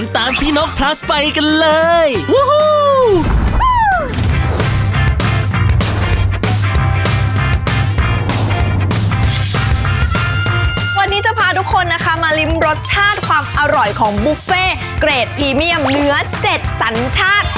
วันนี้จะพาทุกคนนะคะมาริมรสชาติความอร่อยของบุฟเฟ่เกรดพรีเมียมเนื้อ๗สัญชาติ